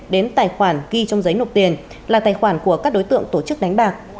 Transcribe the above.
đến tài khoản ghi trong giấy nộp tiền là tài khoản của các đối tượng tổ chức đánh bạc